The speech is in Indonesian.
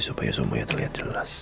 supaya semuanya terlihat jelas